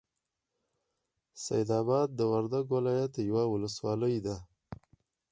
سیدآباد د وردک ولایت یوه ولسوالۍ ده.